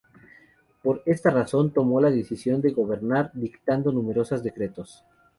Por esta razón tomó la decisión de gobernar dictando numerosos decretos.